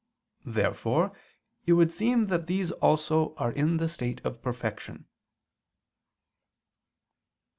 Therefore it would seem that these also are in the state of perfection. Obj.